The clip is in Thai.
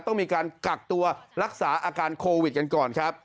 ต้องมีการกักตัวรักษาอาการโควิดกันก่อนครับ